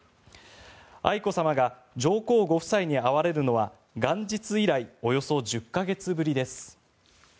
愛子さまが上皇ご夫妻に会われるのは元日以来およそ１０か月ぶりです。